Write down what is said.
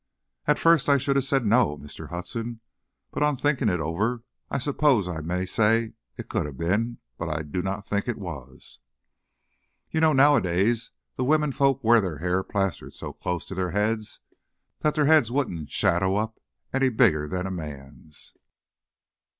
"At first I should have said no, Mr. Hudson. But on thinking it over, I suppose I may say it could have been but I do not think it was." "You know nowadays the women folks wear their hair plastered so close to their heads that their heads wouldn't shadow up any bigger'n a man's."